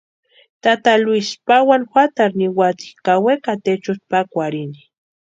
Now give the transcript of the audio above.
Tata Luisi pawani juatarhu niwati ka wekati echutʼa pakwarhini.